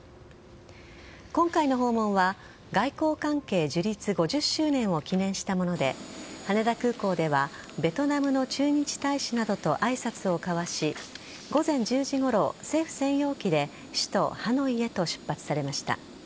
今回の訪問は外交関係樹立５０周年を記念したもので羽田空港ではベトナムの駐日大使などと挨拶を交わし午前１０時ごろ、政府専用機で首都・ハノイへと出発されました。